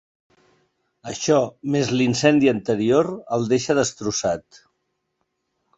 Això, més l'incendi anterior, el deixa destrossat.